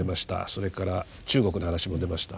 それから中国の話も出ました。